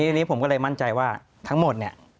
ทีนี้ผมก็เลยมั่นใจว่าทั้งหมดเนี่ย